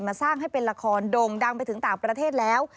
สร้างให้เป็นละครโด่งดังไปถึงต่างประเทศแล้ว